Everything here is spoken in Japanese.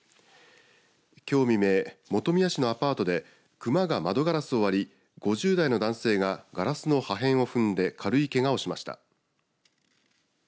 きょう未明、本宮市のアパートで熊が窓ガラスを割り５０代の男性がガラスの破片を踏んで軽いけがをしました。